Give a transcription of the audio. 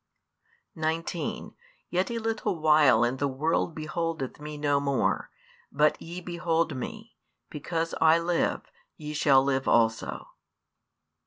|308 19 Yet a little while and the world beholdeth Me no more; but ye behold Me: because I live, ye shall live also.